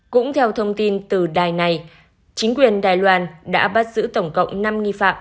cũng theo thông tin từ đài này chính quyền đài loan đã bắt giữ tổng cộng năm nghi phạm